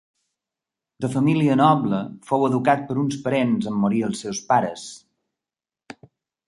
De família noble, fou educat per uns parents en morir els seus pares.